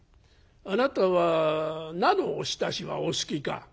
あなたは菜のおひたしはお好きか？」。